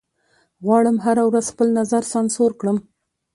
غواړم هره ورځ خپل نظر سانسور کړم